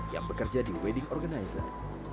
yang bekerja di wedding organizer